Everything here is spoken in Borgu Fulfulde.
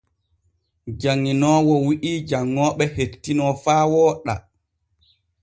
Janŋinoowo wi’i janŋooɓe hettino faa wooɗa.